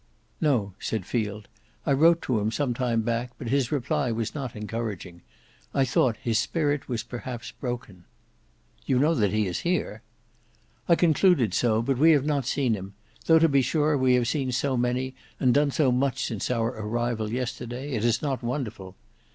"No," said Field. "I wrote to him some time back, but his reply was not encouraging. I thought his spirit was perhaps broken." "You know that he is here?" "I concluded so, but we have not seen him; though to be sure, we have seen so many, and done so much since our arrival yesterday, it is not wonderful.